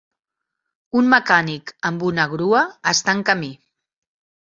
Un mecànic amb una grua està en camí.